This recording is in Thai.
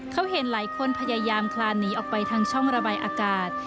เขาเห็นหลายคนพยายามคลานหนีออกไปทางช่องระบายอากาศ